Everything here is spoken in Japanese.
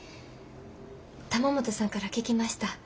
玉本さんから聞きました。